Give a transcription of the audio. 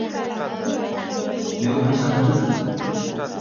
刘文翔之子。